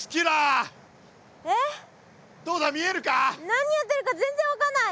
何やってるか全然分かんない！